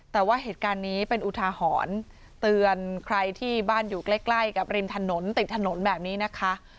แต่ว่าเหตุการณ์นี้เป็นอุทาหรณ์เตือนใครที่บ้านอยู่ใกล้ใกล้กับริมถนนติดถนนแบบนี้นะคะ